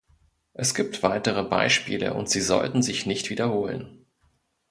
Es gibt weitere Beispiele und sie sollten sich nicht wiederholen.